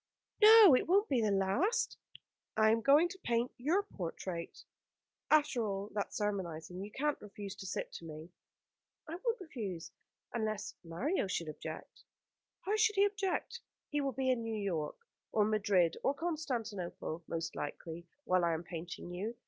"No, it won't be the last." "I am going to paint your portrait. After all that sermonising you can't refuse to sit to me." "I won't refuse unless Mario should object." "How should he object? He will be in New York, or Madrid, or Constantinople, most likely, while I am painting you.